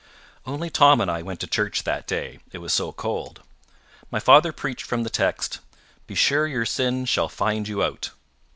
Only Tom and I went to church that day: it was so cold. My father preached from the text, "Be sure your sin shall find you out".